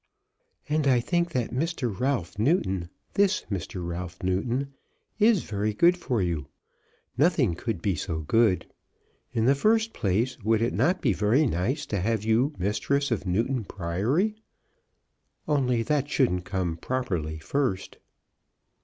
"And I think that Mr. Ralph Newton, this Mr. Ralph Newton, is very good for you. Nothing could be so good. In the first place would it not be very nice to have you mistress of Newton Priory? Only that shouldn't come properly first."